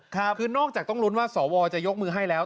คือนอกจากต้องลุ้นว่าสวจะยกมือให้แล้ว